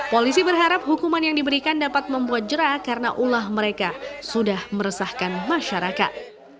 polisi berharap hukuman yang diberikan dapat membuat jerah karena ulah mereka sudah meresahkan masyarakat